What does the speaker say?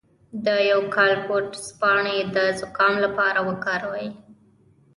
د یوکالیپټوس پاڼې د زکام لپاره وکاروئ